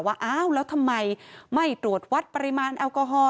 ว่าอ้าวแล้วทำไมไม่ตรวจวัดปริมาณแอลกอฮอล